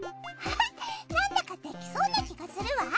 なんだかできそうな気がするわ。